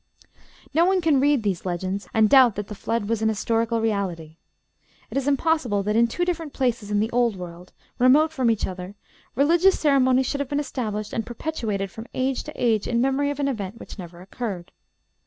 No one can read these legends and doubt that the Flood was an historical reality. It is impossible that in two different places in the Old World, remote from each other, religious ceremonies should have been established and perpetuated from age to age in memory of an event which never occurred.